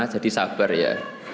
jadi sabar ya